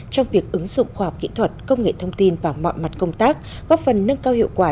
trong việc ứng dụng khoa học kỹ thuật công nghệ thông tin vào mọi mặt công tác góp phần nâng cao hiệu quả